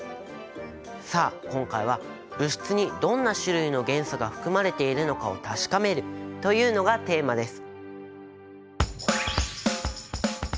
さあ今回は物質にどんな種類の元素が含まれているのかを確かめるというのがテーマです。